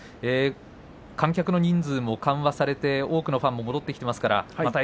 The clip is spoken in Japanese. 観客の人数も緩和されて多くのファンが戻ってきました。